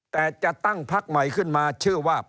แต่จะตั้งพักใหม่ขึ้นมาชื่อว่า